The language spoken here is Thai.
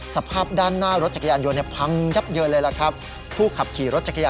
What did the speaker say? สภาพด้านหน้ารถจักรยานยนต์เนี้ย